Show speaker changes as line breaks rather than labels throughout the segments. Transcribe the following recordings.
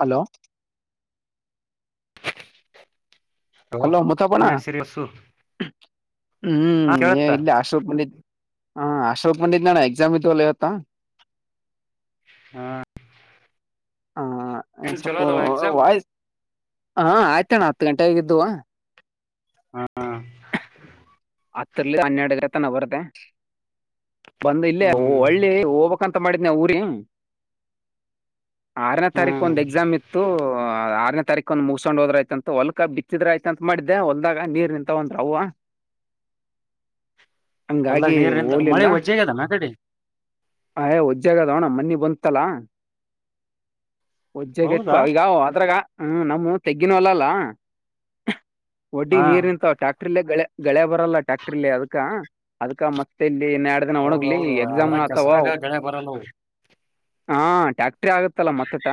Hello hello ಮುತ್ತಪ್ಪಣ್ಣ
ನಡ್ಸಿರಿ bus ಹ
ಹ್ಮ್
ಕೇಳತ್ತಾ
ಇಲೇ ಹಾಸ್ಟೆಲ್ಕ್ ಬಂದಿದ್ ಹಾ ಅಶೋಕ ಬಂದಿದ್ನಲ್ಲ ಎಕ್ಸಾಮ್ ಇದವಲ್ ಇವತ್ತು
ಹಾ
ಹಾ ಸ್ವಪ ವಾಯ್ [unintelligible] ಹ ಆಯ್ತಣ್ಣ ಹತ್ತು ಗಂಟೆ ಆಗಿದ್ದ ದುವಾ
ಹಾ
ಹತ್ರರಲಿ ಹನ್ನೆರಡುಗೆ [unintelligible] ತನ ಬರದೆ ಬಂದ ಇಲ್ಲೇ
ಹ್ಮ್
ಒಳ್ಳೆ [unintelligible] ಹಂ [unintelligible] ತ ಮಾಡಿದ್ ನಾವ ಊರಿ. ಆರನೇ ತಾರೀಕು
ಹ್ಮ್
ಒಂದ್ ಎಕ್ಸಾಮ್ ಇತ್ತು ಆ ಆರನೇ. ತಾರೀಕ್ ಒಂದು ಮುಗಸೊಂಡ್ ಹದ್ರ ಆಯತ ಅಂತ ಹೊಲ್ಕ್ ಬಿತ್ತಿದ್ರೆ ಆಯ್ತಂತ ಮಾಡಿದ್ದೆ ಹೊಲ್ದಾಗ ನೀರ್ ನಿಂತ ಅಂದ್ರ್ [unintelligible] ಅವ್ವ
ಅಲ್ಲ
ಹಂಗಾಗಿ
ನೀರ ನಿಂತ ಮಳೆ ಒಜ್ಜೆಗ್ಯದ [unintelligible]
ಅಯೇ ಒಜ್ಜಾಗದೋಣ್ಣ ಮನ್ನಿ ಬಂತಲ್ಲ ಒಜ್ಜೆಗೆ ಇಪ್ಪ
ಹೌದಾ
ಈಗ ಅದ್ರಾಗ ಹ್ಮ್ ನಮ್ಮ ತೆಗ್ಗಿನವಲ್ಲ ಅಲ್ಲ ಒಡ್ಡಿ
ಹಾ
ನೀರ್ ನಿಂತ ಟ್ಯಾಕ್ [unintelligible] ಟ್ಯಾಕ್ಟ್ರ ಅದ ಅದ ಮತ್ತೆ ಇನ್ ಎರಡ್ ದಿನ ಒಣಗ್ಲಿ
ಹೌದೌದು
ಎಕ್ಸಾಮ್
ಅದ್ರ
ಆತವ
ಕೆಸರಾಗ ಗೆಳೆ ಬರ ನವು
ಹಾ ಟಾಕ್ ಟ್ಟೆ ಆಗತ್ತಲ್ಲ ಮೊತ್ತಟ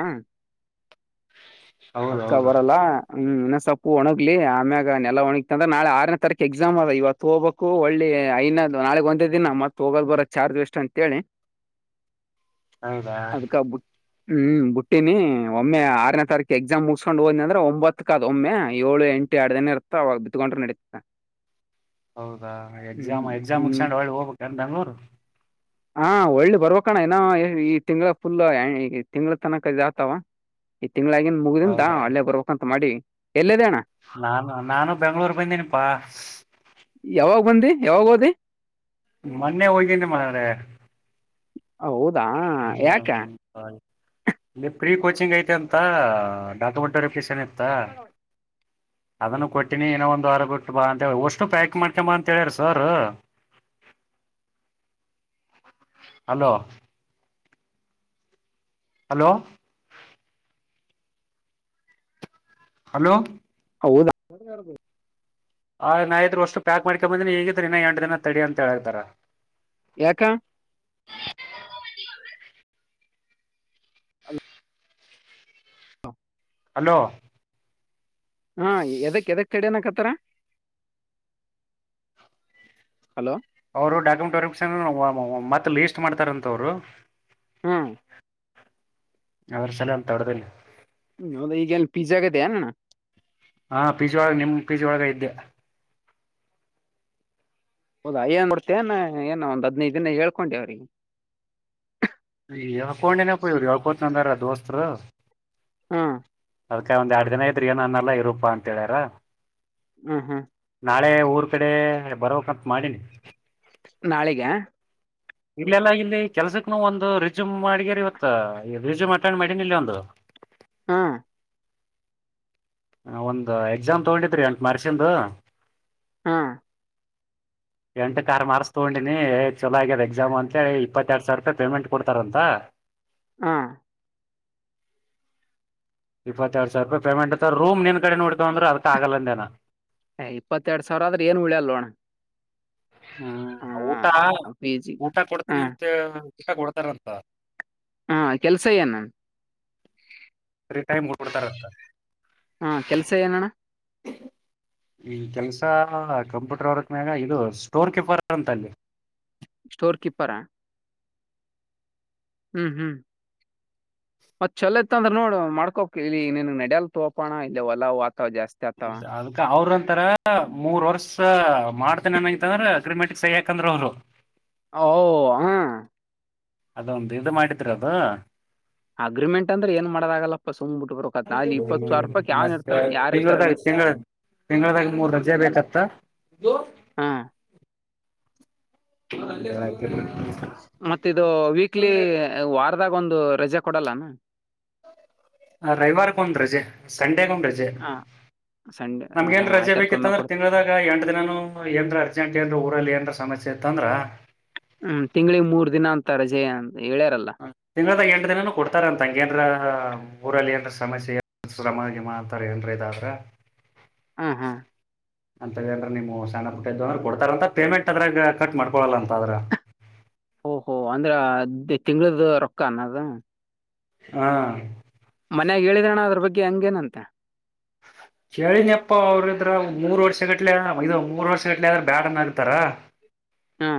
ಅಕ್ಕ
ಹೌದೌದು
ಬರಲ್ಲ ಹ್ಮ್ ಸೊಕು ಒಣಗ್ಲಿ ಆಮ್ಯಾಗ ನೆ ಒಣಗ್ತ ಅ್ರ ನಾಳೆ ಆನ ತೀಕ ಎಕ್ಸಾಮ್ ಆ ಇವತ್ತು ಹೋಗ್ಬೇಕು ಒಳ್ಳಿ ಐನ ನಾಳಗ್ ಒಂದೇ ದಿನ ಮತ್ತ ಹೋಗಲ್ ಬರೋ ಚಾರ್ಜ್ ಎಷ್ಟ ಅಂತೇಳಿ.
ಹೌದಾ
ಅದಕ ಬುಟ್ ಹ್ಮ್ ಬುಟ್ಟಿನಿ ಒಮ್ಮೆ ಆರನೇ ತಾರೀಕು ಎಕ್ಸಾಮ್ ಮುಗಿಸಸ್ಕೊಂಡ್ ಹೋ್ನಿ ಅಂದ್ರ ಒಂಬತ್ತಕ ಅ್ ಒಮ್ಮೆ ಏಳು ಎಂಟು ಎರಡನೇ ಇರ್ತ ಅವಾಗ ಬಿತ್ಕೊಂಡ್ರೆ ನಡೀತ
ಹೌದಾ
ಹ್ಮ್
ಎಕ್ಸಾಮ್ ಎಕ್ಸಾಮಕ್
ಹ್ಮ್
ಸಂಡ್ರ ಒಳ್ಳಗೆ ಹೋಗ್ಬೇಕ ಅಂತ ಬೆಂಗಗಳೂರು [inaudible] [unintelligible]
ಹಾ ಒಳ್ಳ ಬರ್ವಕಣ ಏನ ಈ ತಿಂಗಗಳ ಫುಲ್ ತಿಂಗಗಳ ತನಕ ಆಗ್ತಾವ ತಿಂಗಗಳಾಗಿ ಮುಗಿದಂತಾ
ಹೌದಾ
ಅಳ್ಳೇ ಬರ್ಬೇಕ ಮಾಡಿ ಎಲ್ಲದ ಅಣ್ಣ
ನಾನು ನಾನು ಬೆಂಗ್ಳೂರ್ ಬಂದೇನಿಪ್ಪಾ
ಯಾವಾಗ ಬಂದಿ ಯಾವಾಗ ಹೋದಿ
ಮೊನ್ನೆ ಹೋಗ್ತನಿ ಮ್ರೆ
ಹೌ ೌದಾ ಯಾಕ
ನಿ ಪ್ರೀ ಕೋಚಿಂಗ್ ಐತೆ ಅಂತ ಾಕಮಟ ಚಣೆತ್ತ ಅದನ್ನು ಕೊಟ್ಟಿನಿ ಏನೋ ಒಂದ್ ವಾರ ಬಿಟ್ಟು ಬಾ ಅಂತ ಅಷ್ಟು ಪ್ಯಾಕ್ ಮಾಡ್ಕಂಬ ಅಂತ ಹೇಳಾರ ಸರ್ ಅಲೋ ಹಲೋ ಹಲೋ
ಹೌದ
ಆ ನಾ ಅಂದ್ರು ಓಷ್ಟು ಪ್ಯಾಕ್ ಮಾಡ್ಕೊ ಬಂದೀನಿ ಹ ಈಗಿದ್ರು ಇನ್ನ ಎಂಟು ದಿನ ತಡಿ ಅಂತ ಹೇತಾರ [unintelligible]
ಯಾಕ [unintelligible]
ಹಲೋ [unintelligible]
ಹಾ ಎದಕ್ ಬೇಕ್ [unintelligible] ತಡಿ ಅನಾ ಕತ್ತರ [unintelligible] ಹಲೋ [unintelligible]
ಅವರು ಡಾಕ್ಯುಮೆಂಟ್ ವೆರಿಫಿಕೇಷನ್ ಮತ್ತ ಲೀಸ್ಟ್ ಮಾಡ್ತಾರಂತ ಅವ್ರು [unintelligible]
ಹ್ಮ್ [unintelligible]
ಅವ್ರ ಚಲ ಅಂತ ಹೊಡದಿಲ್ಲ [unintelligible]
ಹೌದ ಈಗ ಏನು ಪಿಜಿ ಯಾಗ ಅಧಿ ಎನ್ ಅಣ್ಣ [unintelligible]
ಹಾ ಪಿಜಿ ಒಳಗ ನಿಮ್ ಪಿಜಿ ಒಳಗ ಇದ್ಯಾ [unintelligible]
ಹೌದಾ ಏನ್ ನೋಡ್ತಿ ಏನ ಒಂದ್ ಹದ್ನೈದ ದಿನ ಹೇಳ್ಕೊಂಡೆ ಅವ್ರಿಗೆ [unintelligible]
ಹೇಳ್ಕೊಂಡಿನಿ ಅಪ್ಪ ಅವ್ರು ಹೇಳ್ಕೊಳ್ತೀನಿ ಅಂದಾರ ದೋಸ್ತ [unintelligible] ಅರ [inaudible]
ಹಾ [unintelligible]
ಅದ್ಕ ಒಂದ್ ಎರಡ್ ದಿನ ಇದ್ರ ಏನು ಅನ್ನೆಲ್ಲ ಇರುಪಾ ಅಂತ ಹೇಳ್ಯಾರ
ಹ್ಮ ಹ್ಮ
ನಾಳೆ ಊರ್ ಕಡೆ ಬರಬಕ [unintelligible] ಅಂತ ಮಾಡಿನಿ
ನಾಳಿಗ್ಯಾ
ಇಲ್ಲೆಲ್ಲಾ ಇಲ್ಲಿ ಕೆಲ್ಸಕ್ನು ಒಂದು ರಿಸ್ಯೂಮ್ ಮಾಡಗ್ಯರಿ ಇವತ್ತು ರಿಸ್ಯೂಮ್ ಅಟಂಡ್ ಮಾಡನ ಇಲ್ಲಿ ಒಂದು [unintelligible]
ಹಾ [unintelligible]
ಹಾ ಒಂದು ಎಕ್ಸಾಮ್ ತಗೊಂಡಿದ್ರಿ ಎಂಟ ಮಾರ್ಸಿಂಧು [unintelligible]
ಹಾ
ಎಂಟಕ್ಕ ಆರು ಮಾರ್ಸ್ ತಗೊಂಡಿನಿ ಚಲೋ ಆಗ್ಯದ ಎಕ್ಸಾಮ್ ಅಂತ ಇಪ್ಪತ್ತ ಎರಡು [unintelligible] ಸಾವಿರ ರೂಪಾಯಿ ಪೇಮೆಂಟ್ ಕೊಡ್ತಾರಂತ [unintelligible]
ಹಾ
ಇಪ್ಪತ್ತರಡು ಸಾವಿರ ರೂಪಾಯ ಪೇಮೆಂಟ್ ಅಂತ ರೂಮ್ [unintelligible] ಅಂದ್ರ ಅದಕ್ ಆಗಲ್ಲಂದೇನ
ಏ ಇಪ್ಪತ್ತೆರಡು ಸಾವಿರ ಆದ್ರೆ ಏನು ಉಳಿಯಲ್ಲೋಣ [unintelligible]
ಹ್ಮ್ ಊಟ
ಹ ಪಿ ಜಿ
ಊಟ
ಹಾ
ಕೊಡ್ತೇನಿ ಅಂತ [unintelligible] ಊಟ ಕೊಡ್ತಾರಂತ
ಹಾ ಕೆಲ್ಸ ಏನ್
[unintelligible]
ಕೆಲ್ಸ ಏನಣ್ಣ
ಈ ಕೆಲಸ ಕಂಪ್ಯೂಟರ್ ವರ್ಕ್ ಮ್ಯಾಗ ಇದು ಸ್ಟೋರ್ ಕೀಪರ್ ಅಂತ ಅಲ್ಲಿ
ಸ್ಟೋರ್ ಕೀಪರಾ ಹ್ಮ್ ಹ್ಮ್ ಮತ್ ಚಲೋ ಇತ್ ಅಂದ್ರೆ ನೋಡ ಮಾಡ್ಕೋಕ್ ಇಲ್ಲಿ ನೀನು ನಡಲ್ [unintelligible] ತೋಪೋಣ ಇಲ್ಲ ಹೊಲ ವಾತಾವ ಜಾಸ್ತಿ ಆತಾವ
ಅದಕ ಅವ್ರ ಅಂತರ ಮೂರ್ ವರ್ಷ ಮಾಡ್ ಮತ್ತೆ ನನಂತಂದ್ರೆ [unintelligible] ಅಗ್ರಿಮೆಂಟ್ ಸಹಿ ಆಕಂದ್ರು ಅವರು
ಓ ಔ ಆ [unintelligible]
ಅದೊಂದು ಇದು ಮಾಡಿದ್ರ ಅದು
ಅಗ್ರಿಮೆಂಟ್ ಅಂದ್ರ ಏನ್ ಮಾಡದಾಗಗಲ್ಲಪ್ಪ [unintelligible]
ಮತ್ತೆ
ಇರ್ತಾನ ಯಾರ್
ತಿಂಗಳದಾಗ
ಇರ್ತಾರಲ್ಲಿ
ತಿಂಗಳ ತಿಂಗಳದಾಗ ಮೂರ್ ರಜೆ ಬೇಕತ್ತ [unintelligible]
ಹಾ
[unintelligible]
ಮತ್ತ ಇದು ವೀಕ್ಲಿ ವಾರದ್ ಅದಾಗ ಒಂದು ರಜೆ ಕೊಡಲ್ಲನು
ಹ ರೈವಾರಕಂದ [unintelligible] ರಜೆ ಸಂಡೇಗ ಒಂದ್ ರಜೆ
ಹ ಸಂಡೆ
ನಮ್ಗ
ಹಾ
ಏನ್ ರಜೆ ಬೇಕಿತ್ತ
ಆಯ್ತಾರ್ಕೊಮ್ಮೆ
ಅಂದ್ರೆ
ಕೊಡ್
ತಿಂಗ್ಲ್ದಾಗ ಎಂಟ ದಿನನು ಏನ್ ಅರ್ಜೆಂಟ್ ಏನ್ [unintelligible] ಲ್ಲಿ [unintelligible] ಏನರ ಸಮಸ್ಯೆ ಇತ್ತ ಅಂದ್ರ
ಹ್ಮ್ ತಿಂಗಳಿಗ್ ಮೂರ್ ದಿನ ಅಂತ ರಜೆ ಹೇಳ್ಯಾರಲ್ಲ
ತಿಂಗ್ಳ್ದಾಗ ಎಂಟು ದಿನನೂ ಕೊಡ್ತಾರ ಅಂತ ಅಂಗೇನ್ರ ಊರಲ್ಲಿ ಏನ ಸಮಸ್ಯ ಶ್ರಮ ಗಿಮಾ ಅಂತಾರೆ ಏನ್ರ ಇದಾದ್ರೆ
ಹ್ಮ ಹ್ಮ್
ಅಂತಂದ್ರೆ ನೀವು ಸಣ್ಣಪುಟ್ಟ [unintelligible] ಇದ್ದು ಅಂದ್ರೆ ಕೊಡ್ತಾರಂತ ಪೇಮೆಂಟ್ ಅದ್ರಾಗ ಕಟ್ ಮಾಡ್ಕೊಳಲ್ಲ ಅಂತ ಆದ್ರ
ಓಹೋ ಅಂದ್ರ ತಿಂಗಳದ ರೊಕ್ಕ ಅನ್ನದು
ಹಾ
ಮನ್ಯಾಗ ಹೇಳಿದ್ರರಣ ಅದ್ರ ಬಗ್ಗ [unintelligible]
ಕೇಳಿನಿಪ್ಪಾ ಅವ್ರಿದ್ರ [unintelligible] ಮೂರು ವರ್ಷ ಗಟ್ಲೆ ಇ ಮೂರು ವರ್ಷ ಗಟ್ಲೆ ಆದ್ರೆ ಬ್ಯಾಡನಾಗಿರ್ತಾರ
ಹ್ಮ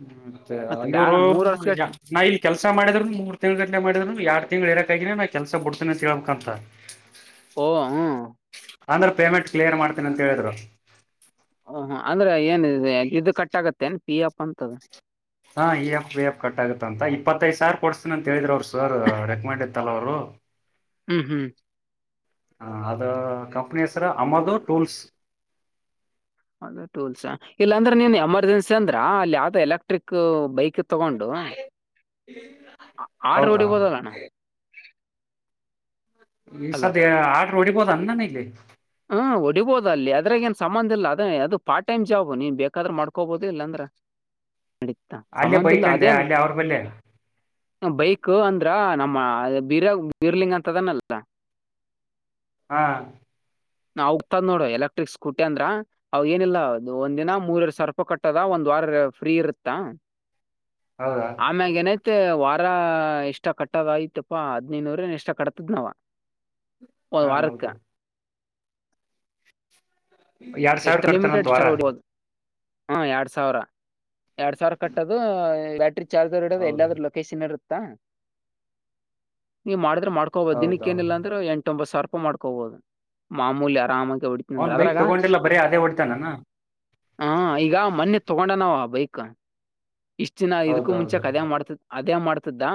ಹ್ಮ
ಮತ್
ಮತ್ತ
ಬ್ಯಾಡ
ಇವರು
ಮೂರ್ ವರ್ಷ ಗಟ್ಲಿ
ನ ಕೆಲಸ ಮಾಡಿದ್ರುನು ಮೂರ್ ತಿಂಗ್ಗಳು ಗಂಟೆ ಮಾಡಿದ್ರುನು ಯಾರ್ಡ್ ತಿಂ್ಗಳು ಇರಕ್ ಆಗಿನನೆ ನಾ ಕೆಲಸ ಬಿಡ್ತೇನೆ ತಿಳಕ ಅಂತ
ಓ ಹ
ಅಂದ್ರ ಪೇಮೆಂಟ್ ಕ್ಲಿಯರ್ ಮಾಡ್ತೀನಿ ಅಂತ ಹೇಳಿದ್ರು
ಓಹ ಅಂದ್ರೆ ಏನ್ ಇದದು ಕಟ್ ಆಾಗತ್ತೆ ಏನ್ ಪಿ ಎಪ್್ ಅಂತದ
ಹಾ ಈ ಎಫ್ ವಿ ಆಫ್ ಕಟ್ ಆಗತ್ತ ಅಂತ ಇಪ್ಪತ್ತೈದು ಸಾರ್ ಕೊಡ್ಸ್ತನ ಅಂತ ಹೇಳಿದ್ರ ಅವ್ರು ಸರ್ ರೆಕಮೆಂಡ್ ಇತ್ತಲ್ಲ ಅವ್ರು
ಹ್ಮ್ ಹ್ಮ್
ಹ ಅದು ಕಂಪ್ನಿಸರ ಅಮದು ಟೂಲ್ಸ್
ಅದ ಟೂಲ್ಸ್ ಇಲ್ಲಾಂದ್ರೆ ನೀನ್ ಎಮರ್ಜೆನ್ಸಿ ಅಂದ್ರ ಅಲ್ಲಿ ಯಾವ್ದೋ ಎಲೆಕ್ಟ್ರಿಕ್ ಬೈಕ್ ಅಕ್ಕಿ ತಗೊಂಡು ಆಟ
ಹೌದಾ
ಹೊಡಿಬೋದಲ್ಲಣ್ಣ
ಈ ಸದ ಆಟರು ಹೊಡಿಬೋದನ್ನ ನಾನ ಇಲ್ಲಿ
ಹ್ಮ ಹೊಡಿಬೋದು ಅಲ್ಲಿ ಅದ್ರಾಗ ಏನ್ ಸಂಬಂಧ ಇಿಲ್ಲ ಅದ ಅದು ಪಾರ್ಟ್ ಟೈಮ್ ಜಾಬ್ ನೀ ಬೇಕಾದ್ರ ಮಾಡ್ಕೋಬೋದು ಇಲ್ಲಾಂದ್ರ ತ-
ಅಲ್ಲೇ
ಸಂಬಂಧ ಇಲ್ಲ
ಬೈಕ್ ಅಂದೆ
ಅದೇನ್
ಅಲ್ಲೇ ಅವ್ರ ಬಲ್ಲೆ
ಬೈಕ್ ಅಂದ್ರ ನಮ್ಮ ಬೀರ ಬೀರ್ಲಿಂಗ ಅಂತದನ್ನಲ್ಲ
ಹಾ
ನ ಹೋಗಕ್ತದ್ ನೋಡು ಎಲೆಕ್ಟ್ರಿಕ್ ಸ್ಕೂಟಿ ಅಂದ್ರ ಅವ ಏನಿಲ್ಲ ಒಂದ್ಿನ ಮೂರರ ಸರ್ಪ ಕಟ್ಟದ ಒಂದ್ ವಾರ ಫ್ರೀ ಇರತ್ತ
ಹೌದಾ
ಆಮ್ಯಗೆನೆ ಮತ್ತೆ ವಾರ ಇಷ್ಟ ಕಟ್ಟದಯತಪ್ಪಾ ಹದ್ನೈದನೂರ ಇಷ್ಟ ಕಟ್ತದ್ ನಾವ ಒ
ಹಾ
ವರಕ್ಕ
ಹೌದು ಎರಡ್ ಸಾವಿರ
ಎಷ್ಟ
ಕಡ್ತಾನಂತ
ಲಿಮಿಟೆಡ್
ವಾರ
ಸ್ಟಾರ್ ಹೊಡಿಬೋದು ಹಾ ಎರಡ್ ಸಾವಿರ ಎರಡ್ ಸಾವಿರ ಕಟ್ಟೋದು ಬ್ಯಾಟರಿ ಚಾರ್ರ್ಡ
ಹೌದು
ಎಲ್ಲರ ಲೊಕೇಶನ್ ಇ. ನೀ ಮಾಡ. ಮಾಡ್ಕೋದು ದಿನಕ್ಕ
ಹೌದೌದು
ನಿಲ್ಲ ಅ್ರೆ ಎಟ ಒಂಬ ಸಾವಿರ ರಪ. ಮಾಡ್ಕೋಬಹುದು ಮಾಮೂಲಿ ಆರಾಮಾಗಿ ಹೊಡಿತನ ಅಂದ್ರ ಅದ್ರಾಗ.
ಬರ ಅದೇ ಒಡ್ತಾನ.
ಹಾ ಈಗ ಮೊನ್ನೆ ತಗೊಂಡ ನಾವ್ ಬೈಕ್. ಇಷ್ಟು ದಿನ ಇದಕ್ಕೂ ಮುಂಚೆ
ಹೌದೌದು
ಕದಯ ಮಾಡ್ತ. ಅದೇ ಮಾಡ್ತದಾ.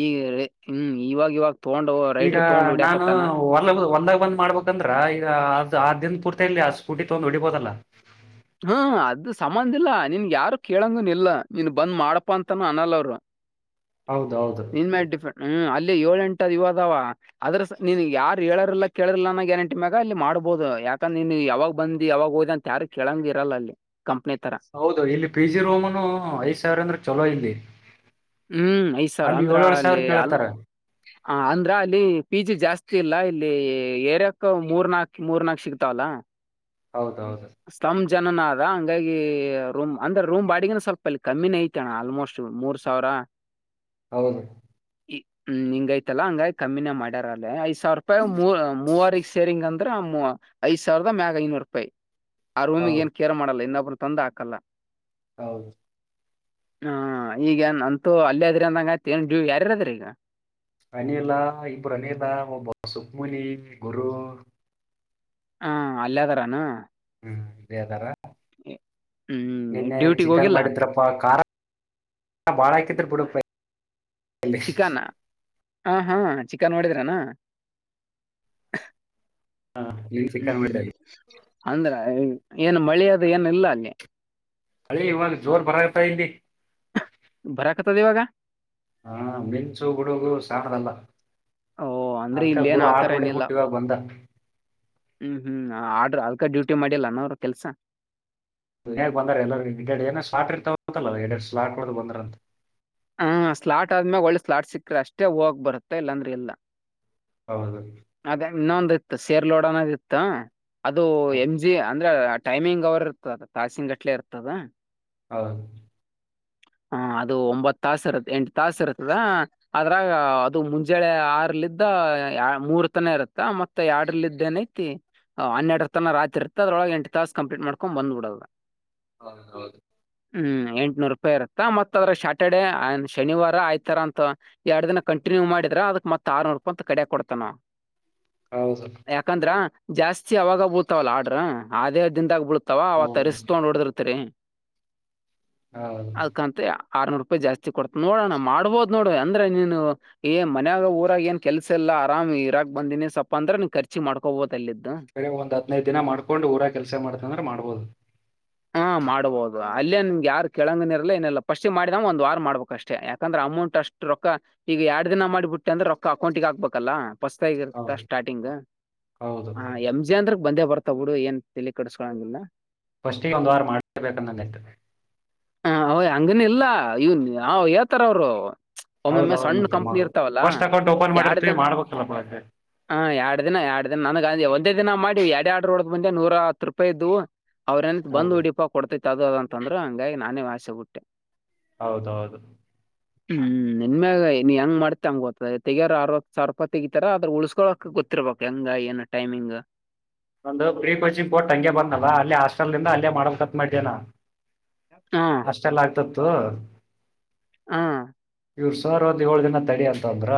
ಈಗೆ. ಹ್ಮ್ ಇವಾಗಿಾಗವಾಗ.
ಈಗಾ ನಾನು ಹೋಲ್ ಹೊಲದಾಗ ಬಂದ್ ಮಾಡ್ಬೇಕಂದ್ರಾ ಈಗಾ ಆದ್ ಆದಿಂದ ಪೂರ್ತ. ಮತ್ತೆ ಇಲ್ಲಿ ಆ ಸ್ಕೂಟಿ ತೊಡೊಂಡ್ ಹೊಡಿಬೋದಲ್ಲ.
ಹ್ಮ ಅದ ಸಮಂದಿಲ್ಲಾ ನಿನ್ಗ ಯಾರು ಕೇಳಂಗನು ಇಲ್ಲ ನೀನ್ ಬಂದ್ ಮಾಡಪ ಅಂತಾನು ಅನಲ ಅವ್ರ
ಹೌದೌದು ಹೌದು
ನಿನ್ ಡಿಫೆಟ್ ಹ್ಮ್ ಅಲ್ಲಿ ಏ ಯೋಳ ಎಂಟ್ ಇವ್ ಅದಾವ ಅದ್ರ ಸ್ ನೀನ್ಗ ಯಾರ ಹೇಳೋರಿಲ್ಲಾ ಕೇಳೋರಿಲ್ಲ ಅನ್ನಾ ಗ್ಯಾರಂಟಿ ಮ್ಯಾಗ ಅಲ್ಲಿ ಮಾಡ್ಬಹುದು ಯಾಕಂದ್ರ ನೀನ್ ಯಾವಾಗ ಬಂದಿ ಯಾವಾಗ ಹೊದಿ ಅಂತ ಯಾರು ಕೆಳಂಗ್ ಇರಲ್ಲ ಅಲ್ಲಿ ಕಂಪ್ನಿ ತರ
ಹೌದು ಇಲ್ಲಿ ಪಿ ಜಿ ರೂಮ್ನು ಐದ್ ಸಾವಿರ ಅಂದ್ರ ಚಲೋ ಇಲ್ಲಿ
ಹ್ಮ್ ಐದ್ ಸಾವಿರ
ಅಲ್ಲಿ
ಅಂದ್ರ
ಏಳೇಳ್ ಸಾವಿರ
ಅಲ್ಲಿ
ಕೇಳತ್ತಾರ
ಅಂದ್ರ ಅಲ್ಲಿ ಪೀಜಿ ಜಾಸ್ತ ಚಿಲ್ಲಾ ಇಲ್ಲಿ ಏರ್ಯಾಕ್ ಮೂರ್ ನಾಕ್ ಮೂರ್ ನಾಕ್ ಸಿಗ್ತಾವಲಾ
ಹೌದೌದು.
ಜನನು ಅದ ಹಂಗಾಗಿ ರೂಮ್ ಅಂದ್ರ ರೂಮ್ ಬಾಡ್ಗಿನು ಸ್ವಲ್ಪ ಇಲ್ಲಿ ಕಮ್ಮಿನೇ ಐತಣ್ಣ ಆಲ್ಮೋಸ್ಟ್ ಮೂರ್ ಸಾವರಾ
ಹೌದು.
ಈ ಹಿಂಗ್ ಐತಲಾ ಹಂಗಾಗಿ ಕಮ್ಮಿನೇ ಮಾಡ್ಯಾರಲ್ಯಾ ಐ ಸ್ ಸಾವ್ರ ರೂಪಾಯಗ ಮೂವ್ ಮೂವರಿಗ್ ಸೇರಿಂಗ್ ಅಂತ್ ಆದ್ರ ನಮ್ಮುವ ಐದ ಸಾವಿರದ ಮ್ಯಾಗ ಐನೂರು ರೂಪಾಯ ಆ ರೋಮಿಗ್
ಹೌದು
ಏನ್ ಕೇರ್ ಮಾಡಲ್ಲ ಇನ್ನೊಬ್ರ್. ತಂದ ಹಾಕಲ್ಲ.
ಹೌದು
ಹಾ ಈಗ ಎನ್ ಅಂತು ಅಲ್ಲೇ ಅದೀರ್ ಅಂದಂಗ ಐತ್ ಯಾರ್ಯಾರ್ ಅದಿರ್ ಈಗಾ
ಅನಿಲಾ ಇಬ್ಬರು ಅನಿಲಾ ಒಬ್ಬ ಸುಖಮುನಿ ಗುರು.
ಅ ಅಲ್ಲ್ಯಾದರನಾ
ಹ್ಮ ಇಲ್ಲೆ ಅದಾರ
ಹ್ಮ್
ನಿನ್ನೆ
ಡ್ಯೂಟಿಗ್
ಚಿಕನ್
ಹೋಗಿಲ್ಲ
ಮಾಡಿದ್ರಪ್ಪ ಖಾರ್ ಬಾಳ ಹಾಕಿದ್ರ ಬಿಡುಪಾ
ಚಿಕನ್ನ. ಹಾ ಹಾ ಚಿಕನ್ ಮಾಡಿದ್ರನಾ.
ಹಾ ನೀನ್
ಹ್ಮ್
ಚಿಕನ್
ಹ್ಮ್
ಮಾಡಿದ್ರಲ್ಲಿ
ಅಂದ್ರ ಏನು ಮಳೆಅದು ಏನು ಇಲ್ಲ ಅಲ್ಲಿ
ಮಳಿ ಇವಾಗ ಜೋರ್ ಬರಕತೈತಿ
ಬರಾಕತದ ಇವಾಗ.
ಹಾ ಮಿಂಚು ಗುಡುಗು ಸಾನದಲ್ಲ
ಓ ಅಂದ್ರೆ ಇಲ್ಲ ಏನ್ ಆತರ ಏನಿಲ್ಲ
ಇವಾಗ ಬಂದ
ಹ್ಮ್ ಹ್ಮ್ ಆಡ್ರ್ ಯಾಕ ಡ್ಯೂಟಿ ಮಾಡಿಲ್ಲ ಏನು ಅವ್ರ ಕೆಲ್ಸ
ಮನಾಗ ಬಂದರಿಗ್ ಎಲ್ಲರಗೆ ಹಿಕಡ್ ಏನ ಸಾಲಾ ಇರ್ತಾವ ಅಂತಲ್ಲ ಹಿಡಡ್ಲಾಟ ಬಂದರ ಅಂತೆ
ಹ ಸ್ಲಾಟ್ ಆಧ್ಯಾಮ್ಯಾಗ ಒಳ್ಳೆ ಸ್ಲಾಟ್ ಸಿಕ್ಕ್ರೆ ಅಷ್ಟೇ ಹೋಗ್ ಬರುತ್ತೆ ಇಲ್ಲಾಂದ್ರೆ ಇಲ್ಲಾ.
ಹೌದು
ಅದೇ ಇನ್ನೊಂದು. ಇ ಸೇರ್ಲೋಡಣದ ಇತ್ತ. ಅದು ಎಂ ಜಿ ಯಾ ಅಂದ್ರೆ ಟೈಮಿಂಗ್ ಅವರು ಇರ್ತದ ತಾಸಿನ್ ಗಟ್ಲೆ ಇರ್ತದ.
ಹಾ.
ಹಾ ಅದು ಒಂಬತ್ ತಾಸ ಇರತ್ ಎಂಟು ತಾಸ ಇರ್ತದ ಅದ್ರಾಗ ಅದು ಮುಂಜಳೆ ಆರ್ಲಿದ್ದ ಮೂರ್ ತನ ಇರುತ್ತ ಮತ್ತ ಎರಡ್ಲ ಇದಿದ್ದೇನಐತಿ ಹನ್ನೆರಡ ತನ ರಾತ್ರಿ ಇರತ್ತ ಅದ್ರೊಳ ಎಂಟು ತಾಸ ಕಂಪ್ಲೀಟ್ ಮಾಡ್ಕೊಂಡ್ ಬಂದ್ಬಿಡದ.
ಹೌದ ಹೌದು.
ಹ್ಮ್ ಎಂಟ್ನೂರು ರೂಪಿರೆ. ಮತ್ತ ಅದ್ರ ಶ್ಯಾಟರ್ಡೆ ಶನಿವಾರ ಆಯ್ತ ತರ ಅಂತ ಎರಡು ದಿನ ಕಂಟಿನ್ಯೂ ಮಾಡಿದ್ರ ಅದಕ್ ಮತ್ ಆರ್ನೂರು ರೂಪಾಯಿ ಅಂತ ಕಡಿಯಕ್ ಕೊಡ್ತ ನಾವವು.
ಹೌದು ಹೌದು
ಯಾಕಂದ್ರ. ಜಾಸ್ತಿ ಅವಾಗ ಬುಳ್ತಾವಲ್ಲ ಆರ್ಡ್ರ ಆದೇ ದಿಂದದ ಆಗ್ಬ ಬಿಡ್ತ ಅವಾ ಅವ
ಹೌದು
ತರಿಸ್ಕೊಂಡ್ ಹೊಡದಿರ್ತರಿ.
ಹೌದು.
ಅದಕಂತ ಆರ್ನೂರು ರೂಪಾಯಿ ಜಾಸ್ತಿ ಕೊಡ್ತ ನೋಡೋಣ ಮಾಡ್ಬಹದು ನೋಡ ಅಂದೆ ನೀನು ಏ ಮನ್ಯಾಗ ಊರಾಗ ಏನ್ ಕೆಲ್ಸ ಎಲ್ಲ ಆರಾಮ್ ಇರಾಗೆ ಬಂದಿನಿ ಸ್ವಪ ಅಂದೆ ನೀ ಖರ್ಚಿ ಮಾಡ್ಕೋಬಹದು.
ಕ ಒಂದ್ ಹದ್ನೈದು ದಿನ ಮಾಡ್ಕೊಂಡು ಊರ ಕೆಲ್ಸ ಮಾಡತ ಅಂದ್ರೆ ಮಾಡ್ಬೋದು.
ಹಾ ಮಾಡ್ಬೋದು ಅಲ್ಲೇ ನಿಮ್ಗೆ ಯಾರು ಕೆೇಳಂಗನಿರ್ಲ್ಲಾ ಏನಲ್ಲ ಫಸ್ಟ್ಿಗೆ ಮಾಡಿದಾವ ಒಂದ್ ವಾರ ಮಾಡ್ಬೇಕು ಅಷ್ಟೇ ಯಾಕಂದ್ರೆ ಅಮೌಂಟ್ ಅಷ್ಟು ರೊಕ್ಕ ಈಗ ಎರಡ್ ದಿನ ಮಾಡಿಬಿಟ್ಟೆ ಅಂದ್ರೆ ರೊಕ್ಕ ಅಕೌಂಟಗ ಹಾಕ್ಬೇಕಲ್ಲಾ. ಪಸ್ತಗಿರುತ್ತಾ
ಹೌದು
ಸ್ಟಾರ್ಟಿಂಗ್
ಹೌದು
ಎಂ ಜಿ ಅಂದ್ರೇ. ಬಂದೇ ಬರ್ತಾ ಬಿಡು ಏನ್ ತಲಿ ಕೆಡಸ್ಕೊಳಂಗಿಲ್ಲ.
ಫಸ್ಟಿಗೆ ಒಂದು ವಾರ ಮಾಡಬೇಕಂದಾಯತದೆ.
ಹ ಅವ್ ಹಂಗನ ಇಲ್ಲ ಇವನ್ ಅವ ಯತರ ಅವರು.
ಹೌದು
ಒಮ್ಮೊಮ್ಮೆ
ಹೌದು
ಸಣ್ಣ
ಮತ್ತೆ
ಕಂಪನಿ ಇರ್ತಾವಲ್ಲಾ
ಫಸ್ಟ್ ಅಕೌಂಟ್ ಓಪನ್
ಎರಡು
ಮಾಡಿರ್ತೀವಿ
ದಿನ
ಮಾಡ್ಬೇಕಲ್ಲಪ್ಪ ಅದ್ಕೆ.
ಹ ಎರಡ್ ದಿನ ಎರಡ್ ದಿನ ನನಗ ಒಂದೇ ದಿನ ಮಾಡ ಎರಡೇ ಆಡ್ರ ಒಂದೆ ನೂರ ಹತ್ತು ರೂಪಾಯಿ ಇದ್ದವು ಅವ ಬಂದು
ಹೌದು
ಹುಡಿಪಾ ಕೊಡ್ತತಿ. ದದ ಅಂತಂದ್ರೆ ಹಂಗಾಗಿ ನಾನೇ ವಾಸೆಬುಟ್ಟೆ.
ಹೌದು ಹೌದು
ಹ್ಮ್ ನೆನ್ನೆ ಇನ್ ಹೆಂಗ ಮಾಡತ ಅಂಗ ಗತ್ತ ತೆಗೆಯಾರ ಆರವತ್ತು ಸಾವಿರ ತೆಗಿತಾರ ಅದ್ರ ಉಳಸ್ಕೊಳಕ ಗೊತ್ತಿರಬೇಕು ಹೆಂಗ ಏನ್ ಟೈಮಿಂಗ್.
ಒಂದು ಪ್ರೀ ಕೋಚಿಂಗ್ ಬೋರ್ಟ್ಟಂಗೆ ಬಂದಲ್ಲ ಅಲ್ಲಿ ಹಾಸ್ಟೆಲ್ ನಿಂದ ಅಲ್ಲೇ ಮಾಡಕ್ ಕತ್ ಮಾಡ್ಯನಾ
ಹ
ಅಷ್ಟೆಲ್ಲ ಆಗ್ತತ್ತು
ಹ
ಇವರು ಸುಮಾರು ಒಂದ್ ಏಳ ದಿನ ತಡಿ ಅಂತ ಅಂದ್ರ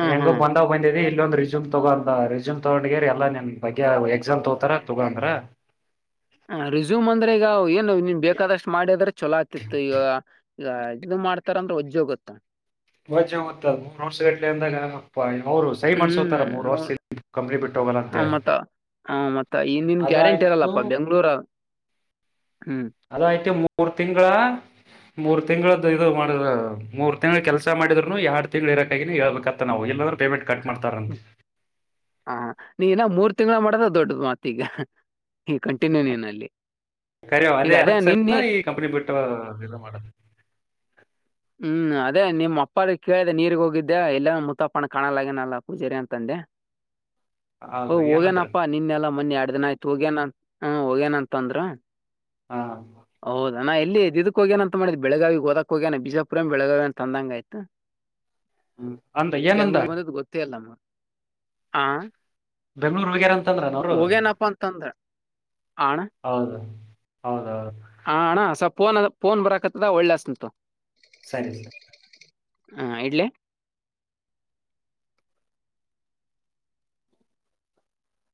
ಹ್ಮ್
ಹೆಂಗೋ
ಹ್ಮ್
ಬಂದಾವ ಬಂದಿದೆ ಇಲ್ಲಿ ಇಂದು ರೆಜೂಮ್ ತಗೊಂಡಂತ ರೆಜೂಮ್ ತಗೊಂಡ ಎಲ್ಲ ಬಗ್ಗೆ ಎಕ್ಸಾಮ್ ತೋತಾರ ತಗಂದ್ರ
ಹ ರಿಸ್ಯೂಮ್ ಅಂದ್ರೆ ಈಗಏ ನೀನ್ ಬೇಕಾದಷ್ಟ್ ಮಾಡಿದ್ರೆ ಚೊಲೋ ಆಗ್ತಿತ್ತು ಇವಾಗ ಈ ಇದು ಮಾಡ್ತಾರ ಅಂದ್ರೆ ಒಜ್ಜೋಗೊತ್ತ
ಮೊಜ್ ಮತ್ತದ ಮೂರು ವರ್ಷ ಗಟ್ಲೆ ಅಂದಾಗ ಹಪ್ಪಾಯ
ಹ್ಮ್
ಕಂಪ್ನಿ ಬಿಟ್ಟು ಹೋಗಲ್ಲ
ಆ
ಅಂತೇಳಿ
ಮತ್ತ ಹ ಮತ್ತ ಇನನ್
ಅದು
ಗ್ಯಾರಂಟಿ ಇರಲ್ಲಪ್ಪ ಬೆಂಗ್ಳೂರ ಹ್ಮ್
ಅದಯಿಟ್ಟು ಮೂರು ತಿಂಂಗಗಳಾ ಮೂರ್ ತಿಂಗಳ್ದ ಇದು ಮಾಡ ಮೂರು ತಿಂಗಳು ಕೆಲಸ ಮಾಡಿದ್ನು ಎರಡ್ ತಿಂಗ್ಗಳು ಇರಕಾಗಿನ ಹೇಳ್ಬೇಕತ್ತ ನಾವು ಇಲ್ಲಾದ್ರ ಪೇಮೆಂಟ್ ಕಟ್ ಮಾಡ್ತಾರಂತೆ
ಹ ನೀನ ಮೂರ್ ತಿಂಗಗಳ ಮಾಡಿದ ದೊಡ್ಡದ ಮತ್ತ ಈಗ ಈ ಕಂಟಿನ್ಯೂ ನೀನಲ್ಲಿ
ಕರಿ
ಈಗ
ಅದೇಲ
ಅದೇ
ಒಂದು
ನಿನ್ನೆ
ಸ್ವಲ್ಪ ಈ ಕಂಪನಿ ಬಿಟ್ಟ ಮಾಡದು
ಹ್ಮ್ ಅದೇ ನಿಮ್ಮ ಅಪ್ಪ ಕೇಳಿದೆ ನೀರ್ಗ್ ಹೋಗಿದ್ದೆ ಎಲ್ಲ ಮುುತ್ತಪ್ಪಣ ಕಾಣಲ್ಲಗನಲ್ಲ ಪೂಜಾರಿ ಅಂತಂದೆ
ಹೌದು ಏನಂದ್ರ
ಹೋಗೇನಪ್ಪಾ ನಿನ್ನೆಲ್ಲಾ ಮನ್ನೆ ಆ ದಿನ ಆಯ್ತು ಹೋಗೇನ ಹ ಹೋಗೇನಂತ ಅಂದ್ರ
ಹಾ
ನಾ ಎಲ್ಲಿ ದಿದ ಕೋಗ್ಯನ ಅಂತ ನಾ ನಾ ಹೇಳ್ಲಿ ಇಧಕೆ ಹೋಗ್ಯಾನ್ ಮಾಡಿದ್ದ್ ಬೆಳಗಾವಿಗೆ ಹೋದಾಕ್ಕ ಹೋಗ್ಯನ ಬಿಜಾಪುರ ಬೆಳಗಾವಿ ಅಂತಂದಂಗ ಆಯ್ತು
ಹ್ಮ ಅಂದ ಏನಂದ
ಹಾ
ಬೆಂಗ್ಳೂರ್ ಹಗ್ಯಾರ ಅಂತಂದ್ರ ಅವರು
ಹಾ ಅಣ್ಣ
ಹೌದೌದು
ಹ ಅಣ್ಣ ಸ್ವಲ್ಪ ಫೋನ್ ಫೋನ್ ಬರಕತ್ತದ ಒಳ್ಳೆ ಹಸತಿನಿ
ಸರಿ ಸ
ಹಾ ಇಡ್ಲಿ